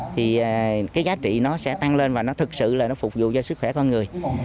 thì cái giá trị nó sẽ tăng lên và nó thực sự là nó phục vụ cho sức khỏe con người